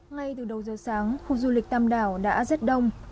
ngay từ đầu giờ sáng khu du lịch tam đảo đã rất đông